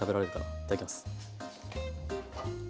いただきます。